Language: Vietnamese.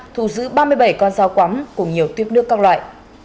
thu giữ ba mươi bảy con dao quắm cùng nhiều tuyếp nước các loại